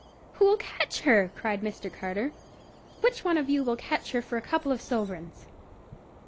"Who'll catch her?" cried Mr. Carter; "which of you will catch her for a couple of sovereigns?"